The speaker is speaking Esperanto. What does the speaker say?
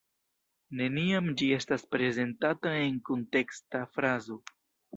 Neniam ĝi estas prezentata en kunteksta frazo.